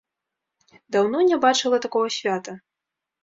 Даўно не бачыла такога свята.